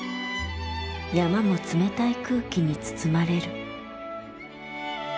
山も冷たい空気に包まれる。